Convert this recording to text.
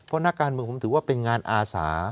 เพราะนักการเมืองผมถือว่าเป็นงานอาสา